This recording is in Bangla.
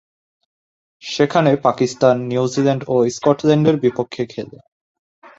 সেখানে পাকিস্তান, নিউজিল্যান্ড ও স্কটল্যান্ডের বিপক্ষে খেলে।